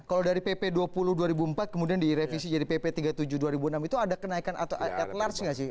kalau dari pp dua puluh dua ribu empat kemudian direvisi jadi pp tiga puluh tujuh dua ribu enam itu ada kenaikan atau at large nggak sih